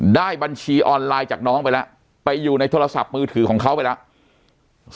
ได้บัญชีออนไลน์จากน้องไปแล้วไปอยู่ในโทรศัพท์มือถือของเขาไปแล้ว